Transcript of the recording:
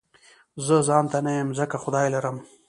زه ځانته نه يم ځکه خدای لرم